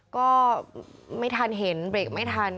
ก็ไม่ทันเห็นเบรกไม่ทัน